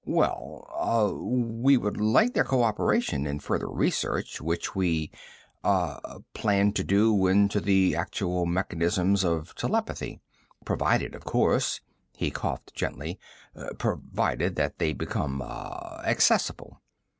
"Well ... ah ... we would like their co operation in further research which we ... ah ... plan to do into the actual mechanisms of telepathy. Provided, of course" he coughed gently "provided that they become ... ah ... accessible.